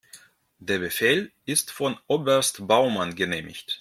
Der Befehl ist von Oberst Baumann genehmigt.